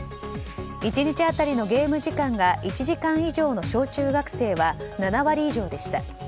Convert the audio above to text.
１日当たりのゲーム時間が１時間以上の小中学生は７割以上でした。